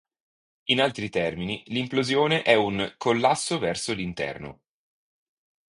In altri termini, l'implosione è un "collasso verso l'interno".